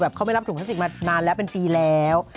เขาไม่รับถุงพลาสติกมานานแล้วเป็นปีแล้ว